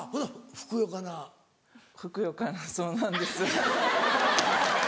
ふくよかなそうなんです。